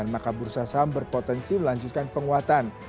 maka bursa saham berpotensi melanjutkan penguatan